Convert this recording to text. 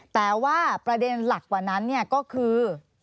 แต่ว่าประเด็นหลักกว่านั้นก็คือ